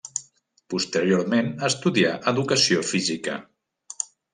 Posteriorment estudià educació física.